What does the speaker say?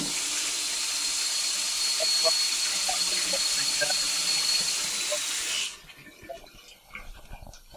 Carlos Santana, siempre ha sido reconocido como el creador del sonido de Javier Bátiz.